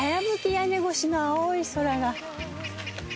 屋根越しの青い空が。